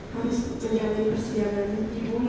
harus menjalin persiapan yang di muli